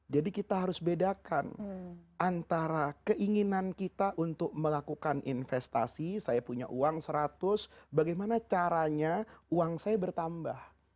kita harus bedakan antara keinginan kita untuk melakukan investasi saya punya uang seratus bagaimana caranya uang saya bertambah